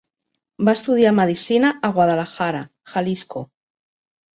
Va estudiar medicina a Guadalajara, Jalisco.